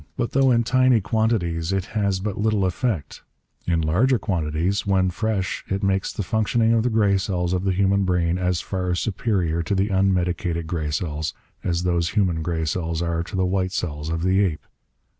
"But though in tiny quantities it has but little effect, in larger quantities when fresh it makes the functioning of the gray cells of the human brain as far superior to the unmedicated gray cells, as those human gray cells are to the white cells of the ape!